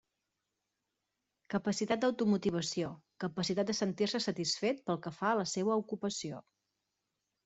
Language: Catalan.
Capacitat d'automotivació: capacitat de sentir-se satisfet pel que fa a la seua ocupació.